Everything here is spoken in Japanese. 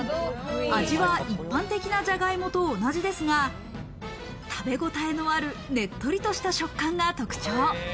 味は一般的なじゃがいもと同じですが、食べごたえのあるねっとりとした食感が特徴。